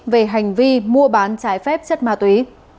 về hành vi mua bán trái phép chất ma túy